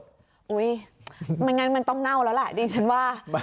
ว่าเหมือนกันมันต้องเน่าแล้วละดิฉันว่า